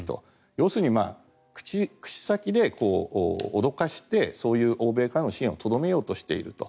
要するに口先で脅かしてそういう欧米からの支援をとどめようとしていると。